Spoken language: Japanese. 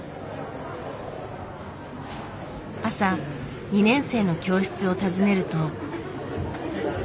朝２年生の教室を訪ねると。